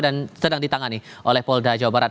dan sedang ditangani oleh polda jawa barat